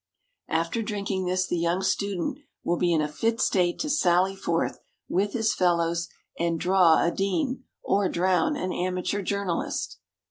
After drinking this, the young student will be in a fit state to sally forth, with his fellows, and "draw" a Dean, or drown an amateur journalist.